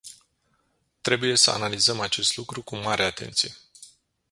Trebuie să analizăm acest lucru cu mare atenție.